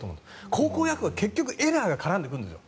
高校野球は結局エラーが絡んでくるんですよ